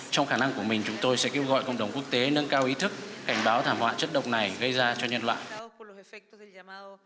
trong khả năng của mình chúng tôi sẽ kêu gọi cộng đồng quốc tế nâng cao ý thức cảnh báo thảm họa chất độc này gây ra cho nhân loại